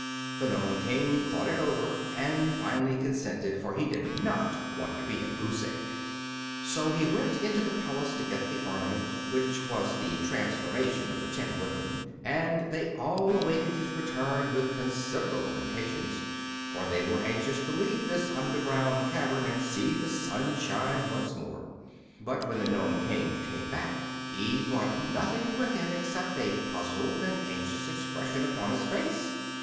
The Nome King thought it over and finally consented, for he did not want to be a goose egg. So he went into the palace to get the ornament which was the transformation of the Tin Woodman, and they all awaited his return with considerable impatience, for they were anxious to leave this underground cavern and see the sunshine once more. But when the Nome King came back he brought nothing with him except a puzzled and anxious expression upon his face.